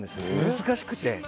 難しくて。